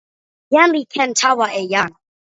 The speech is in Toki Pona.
jan li ken tawa e jan.